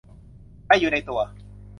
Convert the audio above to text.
ไปด้วยในตัว